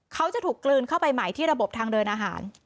เขาจะถูกกลืนเข้าไปใหม่ที่ระบบทางเดินอาหาร